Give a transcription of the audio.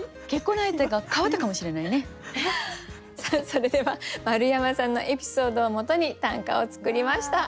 それでは丸山さんのエピソードをもとに短歌を作りました。